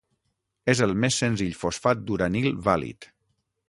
És el més senzill fosfat d'uranil vàlid.